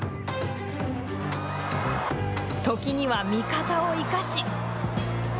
時には味方を生かし。